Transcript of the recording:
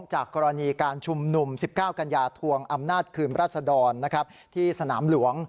จากกรณีการชุมนุม๑๙กัญญาทศอคืมรัศโดรณ์